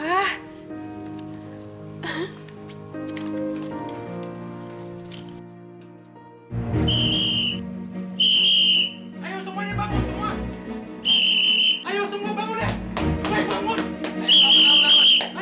ayo semuanya bangun semua